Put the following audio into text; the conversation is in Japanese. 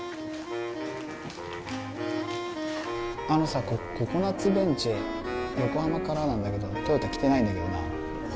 あのさココナッツベンチェ横浜からなんだけど豊田来ていないんだけどな。